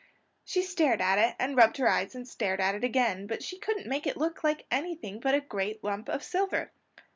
She stared at it, and rubbed her eyes and stared at it again; but she couldn't make it look like anything but a great lump of silver.